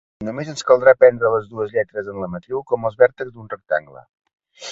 Només ens caldrà prendre les dues lletres en la matriu com els vèrtexs d'un rectangle.